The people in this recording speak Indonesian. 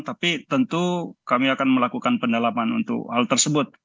tapi tentu kami akan melakukan pendalaman untuk hal tersebut